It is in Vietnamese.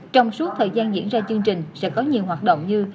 trong suốt thời gian diễn ra chương trình sẽ có nhiều hoạt động như